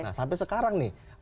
nah sampai sekarang nih